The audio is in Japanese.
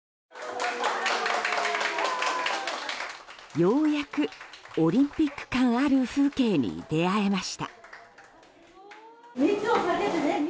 ようやくオリンピック感ある風景に出会えました。